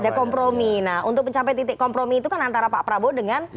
ada kompromi nah untuk mencapai titik kompromi itu kan antara pak prabowo dengan